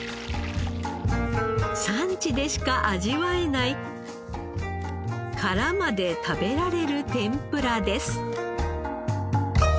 産地でしか味わえない殻まで食べられる天ぷらです。